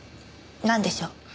なんでしょう？